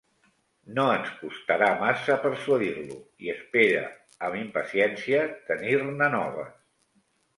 No ens costarà massa persuadir-lo, i espere amb impaciència tenir-ne noves.